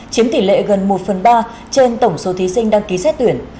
chiếm tỷ lệ gần một phần ba trên tổng số thí sinh đăng ký xét tuyển